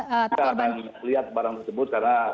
kita akan lihat barang tersebut karena